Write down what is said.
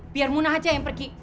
biar munah aja yang pergi